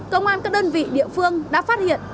công an các đơn vị địa phương đã phát hiện